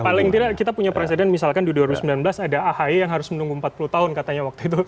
paling tidak kita punya presiden misalkan di dua ribu sembilan belas ada ahy yang harus menunggu empat puluh tahun katanya waktu itu